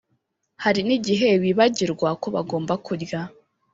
Hari nigihe bibagirwa ko bagomba kurya